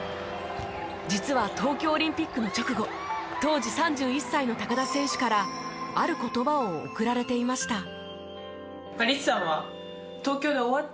実は東京オリンピックの直後当時３１歳の田選手からある言葉を贈られていました。